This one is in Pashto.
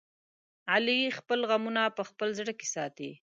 علي خپل غمونه په خپل زړه کې ساتي.